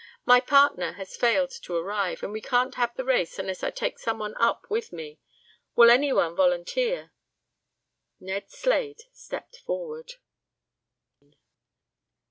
"My partner has failed to arrive, and we can't have the race unless I take some one up with me. Will any one volunteer?" Ned Slade stepped forward.